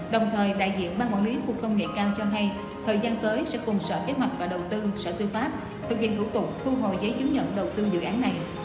đồng thời đại diện ban quản lý khu công nghệ cao cho hay thời gian tới sẽ cùng sở kế hoạch và đầu tư sở tư pháp thực hiện hữu tục thu hồi giấy chứng nhận đầu tư dự án này